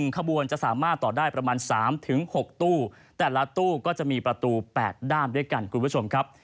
ขบวนจะสามารถต่อได้ประมาณ๓๖ตู้แต่ละตู้ก็จะมีประตู๘ด้ามด้วยกันคุณผู้ชมครับ